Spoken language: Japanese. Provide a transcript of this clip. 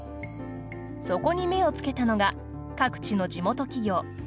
そこに目をつけたのが各地の地元企業。